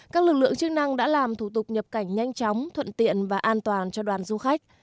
các lực lượng chức năng đã làm thủ tục nhập cảnh nhanh chóng thuận tiện và an toàn cho đoàn du khách